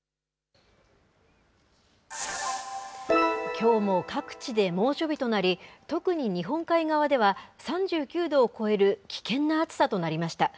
きょうも各地で猛暑日となり、特に日本海側では、３９度を超える危険な暑さとなりました。